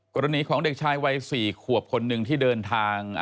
กรณีของเด็กชายวัย๔ขวบคนหนึ่งที่เดินทาง